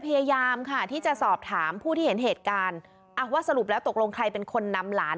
พยายามค่ะที่จะสอบถามผู้ที่เห็นเหตุการณ์อ่ะว่าสรุปแล้วตกลงใครเป็นคนนำหลาน